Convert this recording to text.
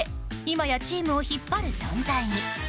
今やチームを引っ張る存在に。